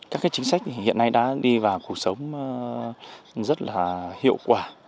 các chính sách hiện nay đã đi vào cuộc sống rất là hiệu quả